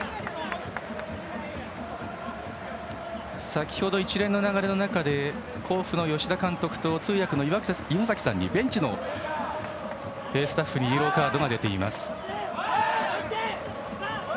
先ほど一連の流れの中で甲府の吉田監督と通訳、ベンチのスタッフにイエローカードが出ています。